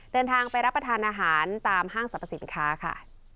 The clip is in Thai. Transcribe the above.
เดินทางไปรับประทานอาหารตามห้างสรรพสินค้าค่ะ